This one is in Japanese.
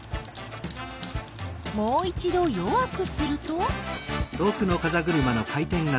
もう一ど弱くすると？